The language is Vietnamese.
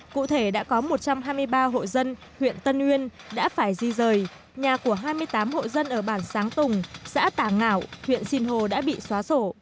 cụ thể đã có một trăm hai mươi ba hộ dân huyện tân uyên đã phải di rời nhà của hai mươi tám hộ dân ở bản sáng tùng xã tà ngạo huyện sinh hồ đã bị xóa sổ